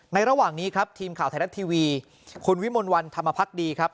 ระหว่างนี้ครับทีมข่าวไทยรัฐทีวีคุณวิมลวันธรรมพักดีครับ